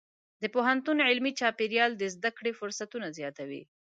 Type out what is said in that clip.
د پوهنتون علمي چاپېریال د زده کړې فرصتونه زیاتوي.